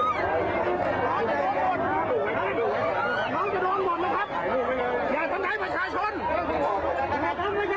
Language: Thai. น้องจะโดนหมดมาครับอย่าต้องใช้มาชะชน